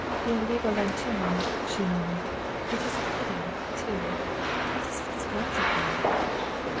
"Il Regalantuomo," she murmured. "It is a pity, too! What does Fritz want of him?"